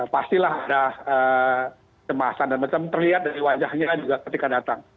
pastilah ada kemasan dan macam terlihat dari wajahnya juga ketika datang